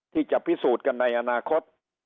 ที่จะพิสูจน์กันในอนาคต